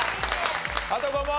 あと５問！